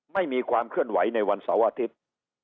ไม่มีความเคลื่อนไหวในวันเสาร์อาทิตย์